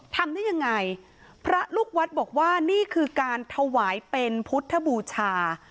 ทำได้ยังไงพระลูกวัดบอกว่านี่คือการถวายเป็นพุทธบูชา